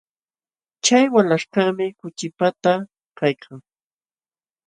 Chay walaśhkaqmi kuchipata kaykan.